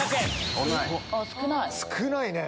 少ない。